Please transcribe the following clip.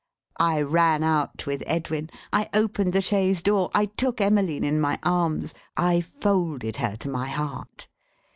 I ran out with Edwin, I opened the chaise door, I took Emmeline in my arms, I folded her to my heart.